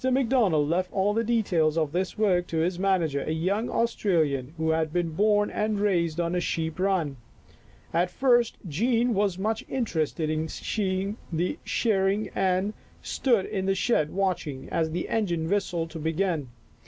McDonald left all the details of this work to his manager, a young Australian who had been born and raised on a sheep run. At first Jean was much interested in seeing the shearing and stood in the shed watching, as the engine whistled to begin.